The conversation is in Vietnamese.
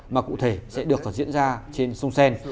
mà cụ thể sẽ được diễn ra trên sông sen